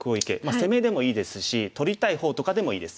攻めでもいいですし取りたい方とかでもいいです。